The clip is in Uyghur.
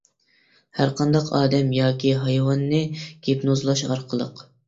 ھەر قانداق ئادەم ياكى ھايۋاننى گىپنوزلاش ئارقىلىق.